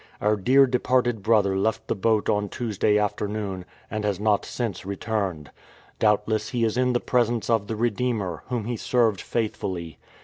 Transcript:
Our dear departed brother left the boat on Tuesday afternoon, and has not since returned. Doubtless he is in the presence of the Redeemer, Whom he served faithfully.